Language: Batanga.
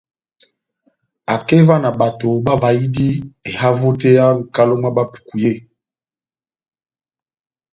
Akeva ó bato bavahidi ehavo tɛ́h yá nʼkalo mwá Bapuku yé.